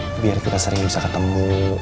tapi biar kita sering bisa ketemu